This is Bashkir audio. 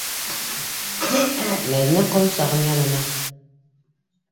Мәҙинә ҡолонсағым янына.